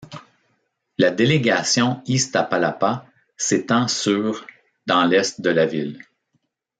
La délégation Iztapalapa s'étend sur dans l'est de la ville.